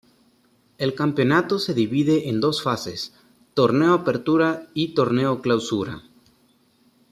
El campeonato se divide en dos fases: Torneo Apertura y Torneo Clausura.